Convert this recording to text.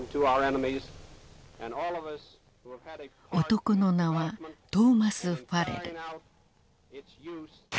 男の名はトーマス・ファレル。